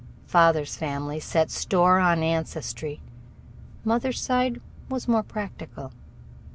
Father's family set store on ancestry. Mother's side was more practical.